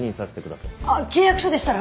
あっ契約書でしたら。